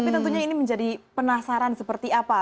tapi tentunya ini menjadi penasaran seperti apa